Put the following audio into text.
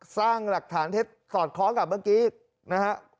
สร้างหลักฐานเท็จสอดคล้องกับเมื่อกี้นะฮะ